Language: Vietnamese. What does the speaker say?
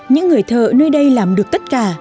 những người thợ nơi đây làm được tất cả